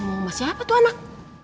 mau mas siapa tuh anak